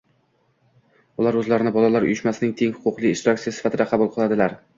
ular o‘zlarini bolalar uyushmasining tenghuquqli ishtirokchisi sifatida qabul qiladilar